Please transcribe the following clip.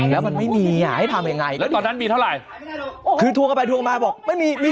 แล้วมันไม่มีให้ทำอย่างไรก็ดิ